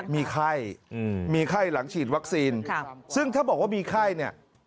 มีไข้มีไข้หลังฉีดวัคซีนซึ่งถ้าบอกว่ามีไข้เนี่ย